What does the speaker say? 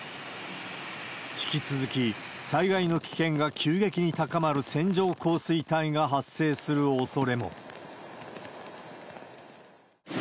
引き続き、災害の危険が急激に高まる線状降水帯が発生するおそれも。